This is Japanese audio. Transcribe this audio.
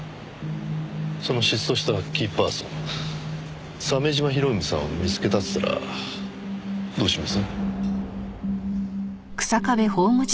その失踪したキーパーソン鮫島博文さんを見つけたって言ったらどうします？